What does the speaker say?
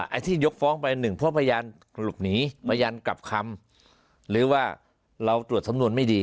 ไอ้ที่ยกฟ้องไปหนึ่งเพราะพยานหลบหนีพยานกลับคำหรือว่าเราตรวจสำนวนไม่ดี